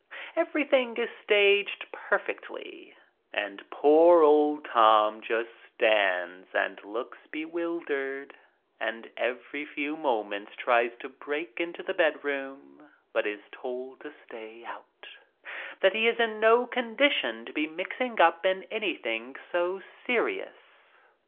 Everything is staged perfectly and poor old Tom just stands and looks bewildered, and every few moments tries to break into the bedroom, but is told to stay out, that he is in no condition to be mixing up in anything so serious.